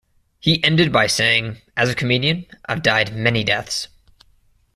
He ended by saying, As a comedian, I've died many deaths.